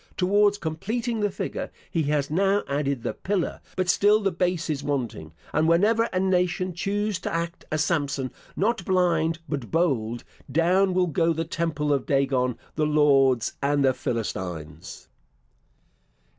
Towards completing the figure, he has now added the pillar; but still the base is wanting; and whenever a nation choose to act a Samson, not blind, but bold, down will go the temple of Dagon, the Lords and the Philistines.